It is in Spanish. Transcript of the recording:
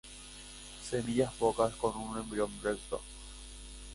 Semillas pocas, con un embrión recto.